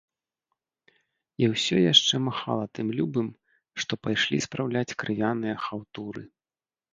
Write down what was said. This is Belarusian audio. І ўсё яшчэ махала тым любым, што пайшлі спраўляць крывяныя хаўтуры.